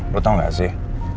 lo tau gak sih